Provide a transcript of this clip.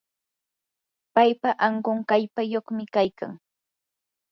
paypa ankun kallpayuqmi kaykan.